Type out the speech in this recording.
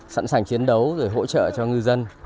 sẵn sàng chiến đấu rồi hỗ trợ cho ngư dân